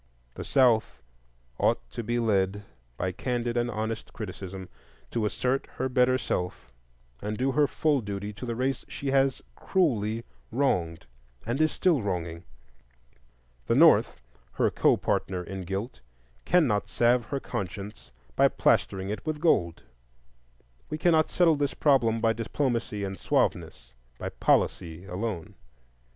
The South ought to be led, by candid and honest criticism, to assert her better self and do her full duty to the race she has cruelly wronged and is still wronging. The North—her co partner in guilt—cannot salve her conscience by plastering it with gold. We cannot settle this problem by diplomacy and suaveness, by "policy" alone.